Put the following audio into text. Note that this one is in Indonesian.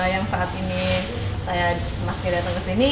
yang saat ini saya masih datang ke sini